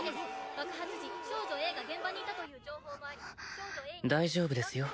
爆発時少女Ａが現場にいたという情報もあり大丈夫ですよ